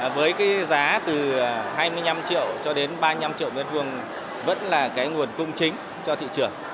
với cái giá từ hai mươi năm triệu cho đến ba mươi năm triệu m hai vẫn là cái nguồn cung chính cho thị trường